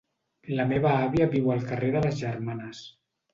La meva àvia viu al carrer de les Germanes.